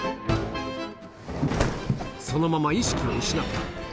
そのまま意識を失った。